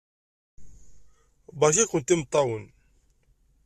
Beṛka-kent imeṭṭawen!